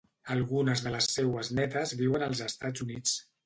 Algunes de les seues netes viuen als Estats Units.